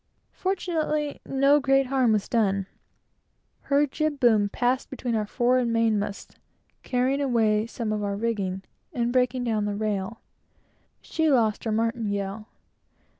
Fortunately no great harm was done. Her jib boom ran between our fore and main masts, carrying away some of our rigging, and breaking down the rail. She lost her martingale.